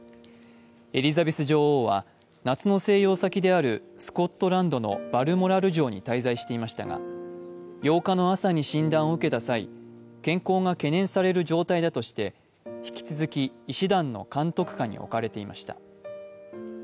エリザベス女王は夏の静養先であるスコットランドのバルモラル城に滞在していましたが、８日の朝に診断を受けた際、健康が懸念される状態だとして引き続き医師団の監督下に置かれていました。